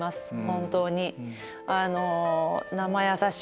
本当に。